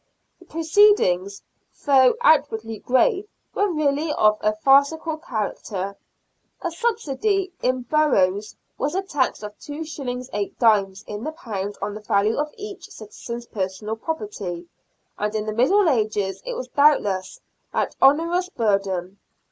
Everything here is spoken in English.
The proceedings, though outwardly grave, were really of a farcical character. A subsidy in boroughs was a tax of 2s. 8d. in the pound on the value of each citizen's personal property, and in the Middle Ages it was doubtless an onerous burden.